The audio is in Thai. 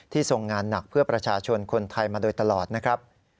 ทรงงานหนักเพื่อประชาชนคนไทยมาโดยตลอดนะครับ